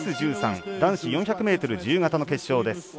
男子４００ｍ自由形の決勝です。